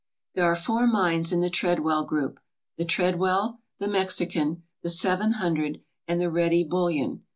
There are four mines in the Treadwell group the Treadwell, the Mexican, the Seven Hundred, and the Ready Bullion.